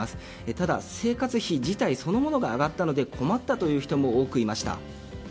ただ生活費自体そのものが上がったので、困ったという人も多くいました。